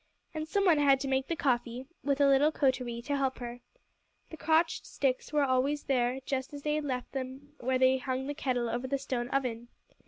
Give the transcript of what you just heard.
And some one had to make the coffee, with a little coterie to help her. The crotched sticks were always there just as they had left them where they hung the kettle over the stone oven.